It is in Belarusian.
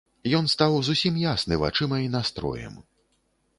Ён стаў зусім ясны вачыма і настроем.